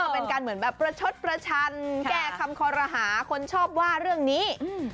เป็นการเหมือนแบบประชดประชันแก้คำคอรหาคนชอบว่าเรื่องนี้